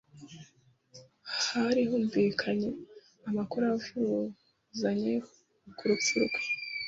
Hari humvikanye amakuru avuguruzanya ku rupfu rwe,